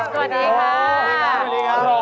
สวัสดีครับ